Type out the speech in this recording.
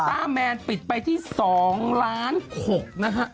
พระอุลต้าแมนปิดไปที่๒ล้าน๖นะครับ